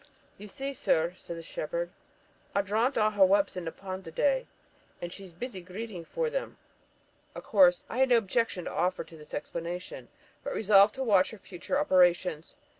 'Ye see, sur,' said the shepherd, 'au drownt a' her whelps i' the pond the day, and she's busy greeting for them.' Of course, I had no objection to offer to this explanation, but resolved to watch her future operations.